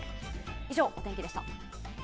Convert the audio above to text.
以上、お天気でした。